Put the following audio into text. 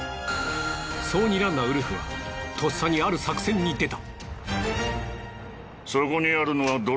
そうにらんだウルフはとっさにある作戦に出た。